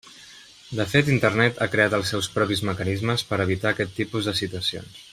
De fet Internet ha creat els seus propis mecanismes per evitar aquest tipus de situacions.